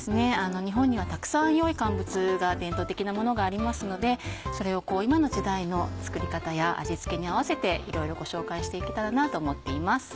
日本にはたくさん良い乾物が伝統的なものがありますのでそれを今の時代の作り方や味付けに合わせていろいろご紹介していけたらなと思っています。